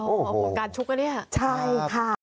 โอ้โหการชุกนะเนี่ยใช่ค่ะ